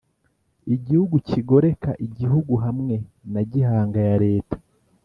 igihugu kigoreka igihugu hamwe na gihanga ya leta,